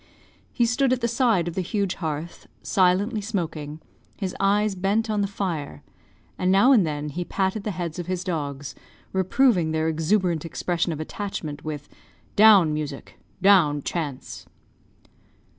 He stood at the side of the huge hearth, silently smoking, his eyes bent on the fire, and now and then he patted the heads of his dogs, reproving their exuberant expression of attachment, with "Down, Music; down, Chance!"